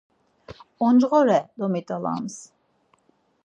Oncğore domit̆alams.